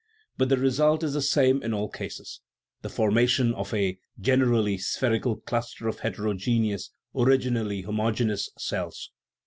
But the result is the same in all cases the formation of a (generally spherical) cluster of heterogeneous (originally homogeneous) cells.